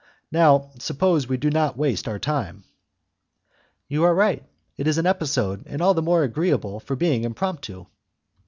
Now, suppose we do not waste our time." "You are right: it is an episode, and all the more agreeable for being impromptu."